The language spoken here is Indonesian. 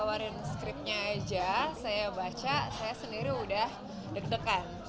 tawarin scriptnya aja saya baca saya sendiri udah deg degan